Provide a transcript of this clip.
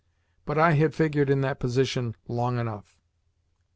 But I had figured in that position long enough.